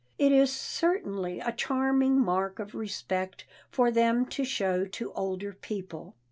It is certainly a charming mark of respect for them to show to older people.